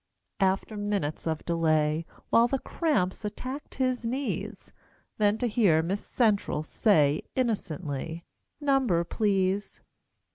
After minutes of delay, While the cramps attacked his knees, Then to hear Miss Central say Innocently: "Number, please!"